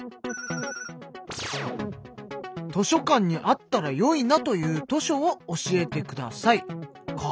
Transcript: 「図書館にあったら、よいなという図書を教えてください！！」か。